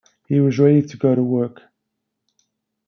He was ready to go to work.